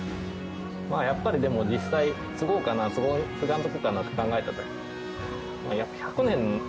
まあやっぱりでも実際継ごうかな継がんとこうかなって考えた時。